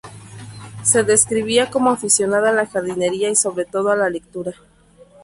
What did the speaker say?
Se describía como aficionada a la jardinería y sobre todo a la lectura.